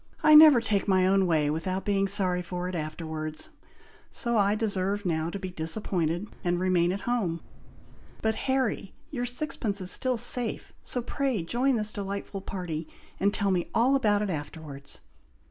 I never take my own way without being sorry for it afterwards, so I deserve now to be disappointed and remain at home; but, Harry, your sixpence is still safe, so pray join this delightful party, and tell me all about it afterwards."